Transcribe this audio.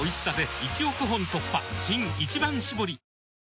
新「一番搾り」